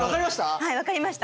はい分かりました